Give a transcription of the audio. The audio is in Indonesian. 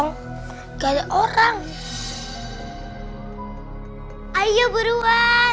nggak ada siapa siapa